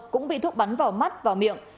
cũng bị thuốc bắn vào mắt vào miệng